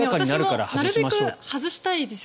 私もなるべく外したいですよ